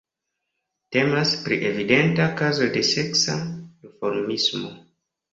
Temas pri evidenta kazo de seksa duformismo.